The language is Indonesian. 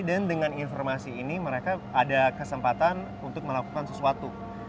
dengan informasi ini mereka ada kesempatan untuk melakukan sesuatu